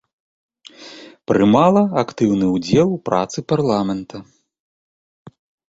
Прымала актыўны ўдзел у працы парламента.